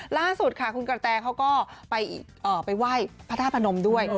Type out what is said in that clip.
ล่าสุดค่ะคุณกระแตเขาก็ไปไหว้พระธาตุพนมด้วย